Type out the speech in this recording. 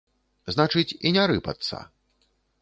Значыць, і не рыпацца?